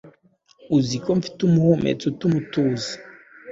Uziko mfite umuhumetso utuma utuza